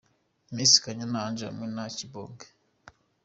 Miss Kanyana Angel hamwe na Kibonge.